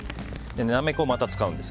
ナメコをまた使うんです。